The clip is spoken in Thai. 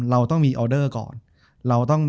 จบการโรงแรมจบการโรงแรม